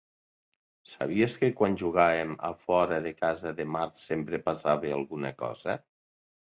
Sabies que quan jugàvem a fora de casa de Mark, sempre passava alguna cosa.